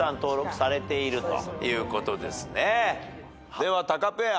ではタカペア。